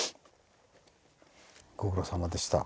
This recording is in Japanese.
ご苦労さまでした。